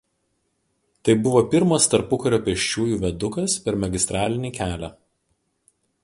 Tai buvo pirmas tarpukario pėsčiųjų viadukas per magistralinį kelią.